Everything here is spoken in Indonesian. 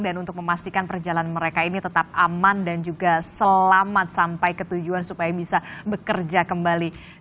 dan untuk memastikan perjalanan mereka ini tetap aman dan juga selamat sampai ketujuan supaya bisa bekerja kembali